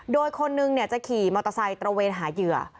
โดยคนนึงจะขี่มอเตอร์ไซค์ตระเวนหาเหยื่อ